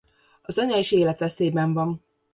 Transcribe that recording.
Az anya is életveszélyben van.